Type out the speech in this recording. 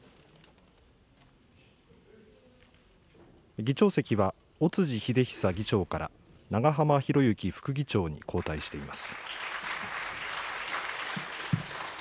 議長席は、尾辻秀久議長から、長浜博行副議長に交代しています。